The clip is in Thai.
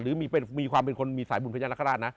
หรือมีความเป็นคนมีสายบุญพญานาคาราชนะ